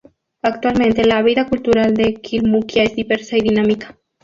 Actualmente la vida cultural de Kalmukia es diversa y dinámica.